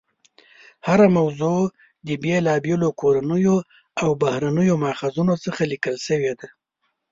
هره موضوع د بېلابېلو کورنیو او بهرنیو ماخذونو څخه لیکل شوې ده.